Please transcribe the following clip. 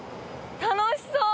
楽しそう！